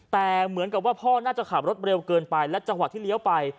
แต่เหมือนกับว่าพ่อน่าจะขับรถเร็วเกินไปและจังหวะที่เลี้ยวไป